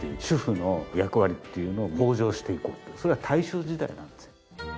主婦の役割っていうのを向上していこうっていうそれは大正時代なんですよ。